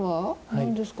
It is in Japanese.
何ですか？